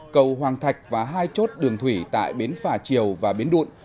cầu hoàng thạch và hai chốt đường thủy tại biến phà triều và biến đụn